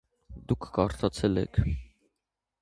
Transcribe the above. Դուք կարդացե՞լ եք: